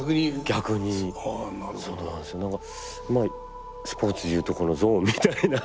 何かまあスポーツでいうところのゾーンみたいな。